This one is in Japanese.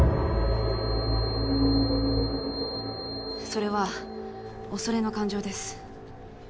それは「恐れ」の感情です。